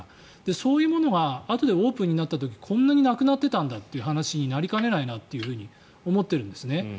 そういうものはあとでオープンになった時にこんなに亡くなってたんだという話になりかねないなと思っているんですね。